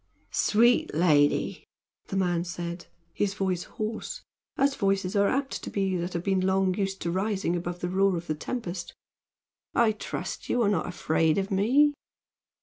"Sweet lady," the man said, his voice hoarse, as voices are apt to be that have been long used to rising above the roar of the tempest, "I trust you are not afraid of me."